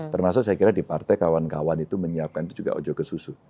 termasuk saya kira di partai kawan kawan itu menyiapkan itu juga ojo ke susu